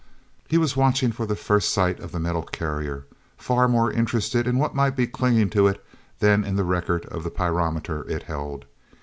He was watching for the first sight of the metal carrier, far more interested in what might be clinging to it than in the record of the pyrometer it held.